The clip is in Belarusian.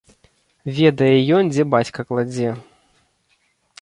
Ведае ён, дзе бацька кладзе.